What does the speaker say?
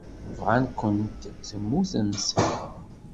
Bɣan-kent temmutemt.